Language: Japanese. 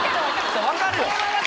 分かるよ！